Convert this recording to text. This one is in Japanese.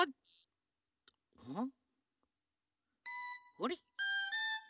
あれ？